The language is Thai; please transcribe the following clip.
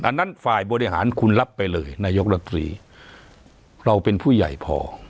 อันนั้นฝ่ายบริหารคุณรับไปเลยนายกรัฐมนตรีเราเป็นผู้ใหญ่พอ